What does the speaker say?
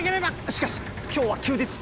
しかし今日は休日。